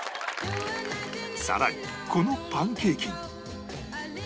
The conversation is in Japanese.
さらにこのパンケーキに